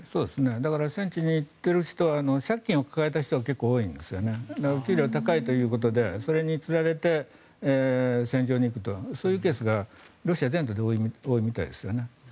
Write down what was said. だから戦地に行っている人は借金を抱えた人が結構多いんですお給料が高いということでそれにつられて戦場に行くというケースがロシア全土で多いみたいですね。